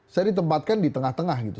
saya ditempatkan di tengah tengah gitu